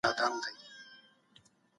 د غوښې کم خوراک د زینک کموالي لامل نه دی.